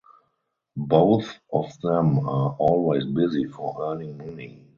Both of them are always busy for earning money.